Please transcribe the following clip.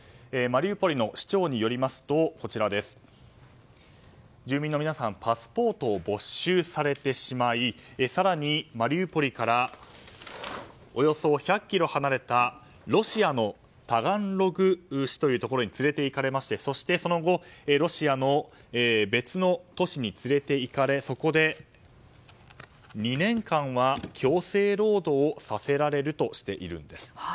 マリウポリ市長によりますと住民の皆さんはパスポートを没収されてしまい更に、マリウポリからおよそ１００ｋｍ離れたロシアのタガンログ市というところに連れていかれましてそしてその後ロシアの別の都市に連れていかれそこで２年間は強制労働をさせられるとしているんです。